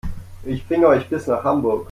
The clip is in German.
Ich bringe euch bis nach Hamburg